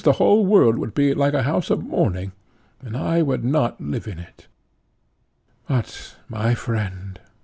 the whole world would be like a house of mourning, and I would not live in it. But, my friend!